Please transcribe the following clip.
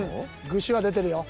「ぐし」は出てるよ。